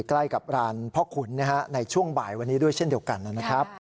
ใกล้กับร้านพ่อขุนในช่วงบ่ายวันนี้ด้วยเช่นเดียวกันนะครับ